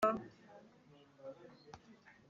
n'amategeko wanditswe mu mitima